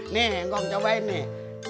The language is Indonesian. nih engkau cobain nih